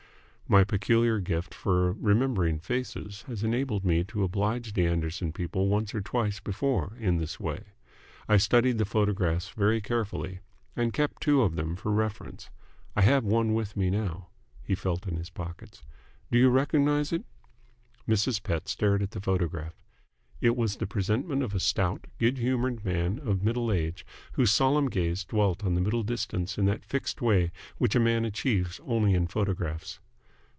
My peculiar gift for remembering faces has enabled me to oblige the Anderson people once or twice before in this way. I studied the photographs very carefully, and kept two of them for reference. I have one with me now." He felt in his pockets. "Do you recognise it?" Mrs. Pett stared at the photograph. It was the presentment of a stout, good humoured man of middle age, whose solemn gaze dwelt on the middle distance in that fixed way which a man achieves only in photographs.